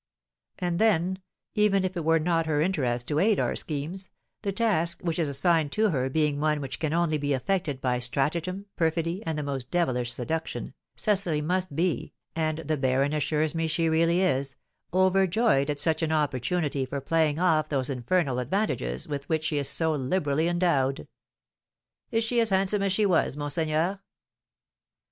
"And then, even if it were not her interest to aid our schemes, the task which is assigned to her being one which can only be effected by stratagem, perfidy, and the most devilish seduction, Cecily must be (and the baron assures me she really is) overjoyed at such an opportunity for playing off those infernal advantages with which she is so liberally endowed." "Is she as handsome as she was, monseigneur?"